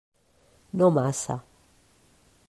No massa.